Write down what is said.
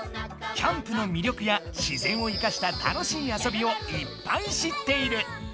キャンプの魅力や自然をいかした楽しい遊びをいっぱい知っている。